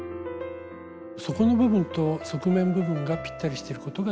底の部分と側面部分がぴったりしていることが重要です。